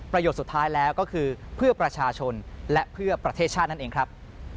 สุดท้ายแล้วก็คือเพื่อประชาชนและเพื่อประเทศชาตินั่นเองครับ